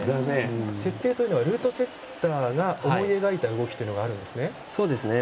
「設定」というのはルートセッターが思い描いた動きというのがあるんですね。